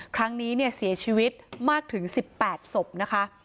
ครั้งนี้เนี่ยเสียชีวิตมากถึง๑๘ศพนะคะ